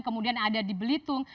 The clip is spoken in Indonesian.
kemudian ada di belitung